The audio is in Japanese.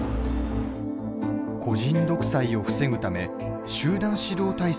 個人独裁を防ぐため集団指導体制を導入